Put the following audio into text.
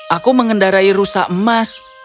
aku mengendarai rusa emas